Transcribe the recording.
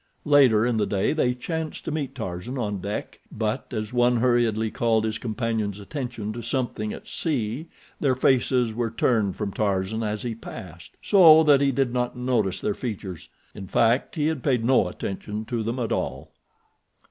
Later in the day they chanced to meet Tarzan on deck, but as one hurriedly called his companion's attention to something at sea their faces were turned from Tarzan as he passed, so that he did not notice their features. In fact, he had paid no attention to them at all.